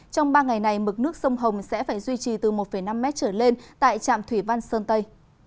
trong ba ngày này mực nước sông hồng sẽ phải duy trì từ một năm m trở lên tại trạm thủy văn sơn tây